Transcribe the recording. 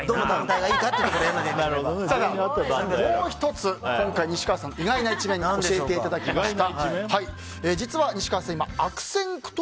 もう１つ今回、西川さんの意外な一面を教えていただきました。